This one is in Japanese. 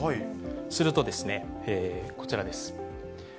するとですね、こちらです。